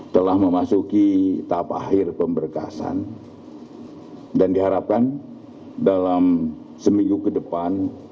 telah memasuki tahap akhir pemberkasan dan diharapkan dalam seminggu ke depan